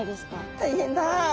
大変だ。